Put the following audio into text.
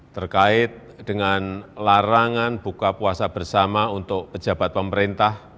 terkait dengan larangan buka puasa bersama untuk pejabat pemerintah